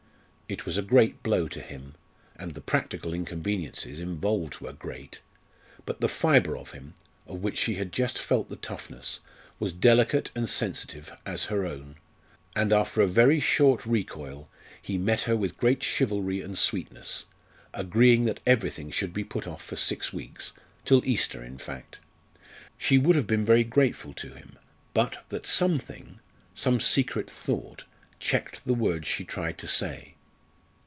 It was a great blow to him, and the practical inconveniences involved were great. But the fibre of him of which she had just felt the toughness was delicate and sensitive as her own, and after a very short recoil he met her with great chivalry and sweetness, agreeing that everything should be put off for six weeks, till Easter in fact. She would have been very grateful to him but that something some secret thought checked the words she tried to say.